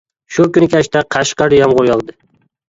شۇ كۈنى كەچتە قەشقەردە يامغۇر ياغدى.